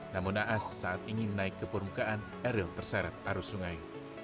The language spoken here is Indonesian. namun naas saat ingin naik ke permukaan eril terseret arus sungai